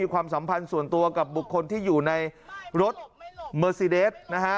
ความสัมพันธ์ส่วนตัวกับบุคคลที่อยู่ในรถเมอร์ซีเดสนะฮะ